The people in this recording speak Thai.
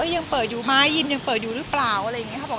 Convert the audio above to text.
ยังเปิดอยู่ไหมยิมยังเปิดอยู่หรือเปล่าอะไรอย่างนี้ครับ